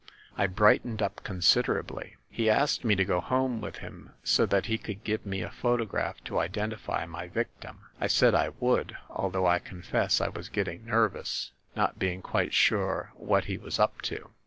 I bright ened up considerably. He asked me to go home with him so that he could give me a photograph to identify my victim. I said I would; although I confess I was ^getting nervous, not being quite sure what he was up to.